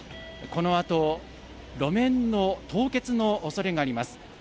このあと路面の凍結のおそれがあります。